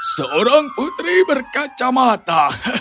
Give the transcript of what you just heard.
seorang putri berkacamata